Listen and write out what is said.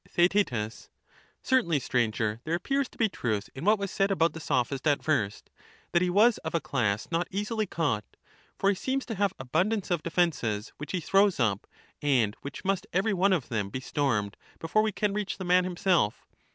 Theaet, Certainly, Stranger, there appears to be truth in what was said about the Sophist at first, that he was of a class not easily caught, for he seems to have abundance of defences, which he throws up, and which must every one of them be stormed before we can reach the man himself.